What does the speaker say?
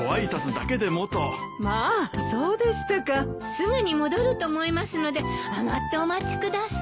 すぐに戻ると思いますので上がってお待ちください。